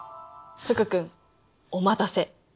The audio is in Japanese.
福君お待たせ。